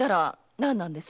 何なんです？